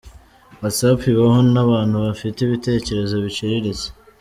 Whatsapp ibaho n’abantu bafite ibitekerezo biciriritse.